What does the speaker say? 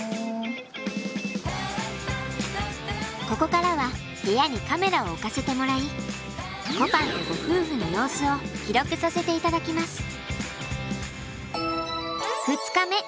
ここからは部屋にカメラを置かせてもらいこぱんとご夫婦の様子を記録させていただきます。